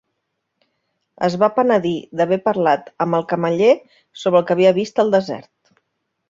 Es va penedir d'haver parlat amb el cameller sobre el que havia vist al desert.